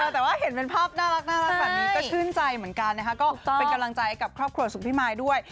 แต่ว่าเห็นเป็นภาพน่ารักแบบนี้ก็ชื่นใจเหมือนกันนะคะก็เป็นกำลังใจกับครอบครัวสุขพี่มายด้วย